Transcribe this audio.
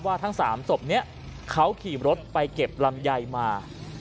ทั้ง๓ศพนี้เขาขี่รถไปเก็บลำไยมา